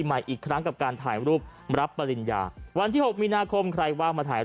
ให้ถ่ายไปให้ไปถ่ายด้วยถ่ายข้างล่างก่อนแล้วกันนะคะ